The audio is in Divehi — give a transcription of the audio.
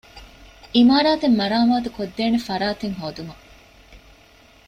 ޢިމާރާތެއް މަރާމާތުކޮށްދޭނެ ފަރާތެއް ހޯދުމަށް